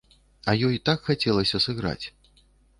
А ёй так хацелася сыграць.